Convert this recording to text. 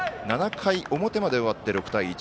７回表まで終わって６対１。